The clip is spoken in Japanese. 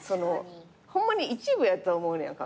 ホンマに一部やと思うねやんか。